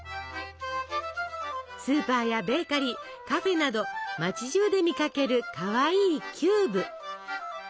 スーパーやベーカリーカフェなど町じゅうで見かけるかわいいキューブ。